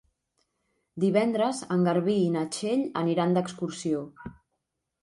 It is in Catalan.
Divendres en Garbí i na Txell aniran d'excursió.